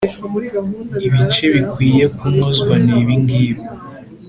ibice bikwiye kunozwa nibingibi